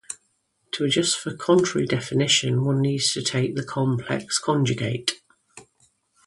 To adjust for contrary definition, one needs to take the complex conjugate.